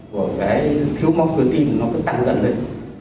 của cái thiếu mong cưới tim nó cứ tăng dần lên